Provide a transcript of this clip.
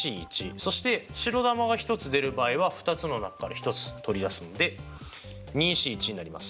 そして白球が１つ出る場合は２つの中から１つ取り出すのでＣになります。